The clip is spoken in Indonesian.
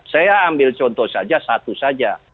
saya ambil contoh saja satu saja